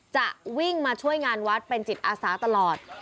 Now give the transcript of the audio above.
จะวิ่งมาช่วยงานวัดเป็นจิตอาสาตลอด